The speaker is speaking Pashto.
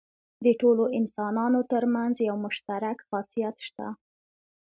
د ټولو انسانانو تر منځ یو مشترک خاصیت شته.